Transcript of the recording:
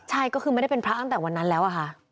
ใช่ก็คือไม่ได้เป็นพระตั้งแต่วันนั้นแล้วอะค่ะ